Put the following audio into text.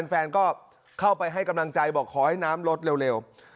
แฟนก็เข้าไปให้กำลังใจบอกขอให้น้ำลดเร็ว